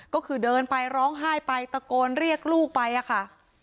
ก็คือเดินไปร้องไห้ไปตะโกนเรียกลูกไปอะค่ะ